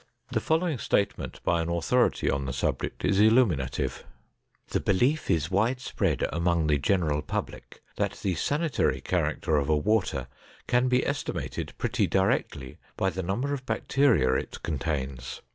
The following statement by an authority on the subject is illuminative: "The belief is widespread among the general public that the sanitary character of a water can be estimated pretty directly by the number of bacteria it contains.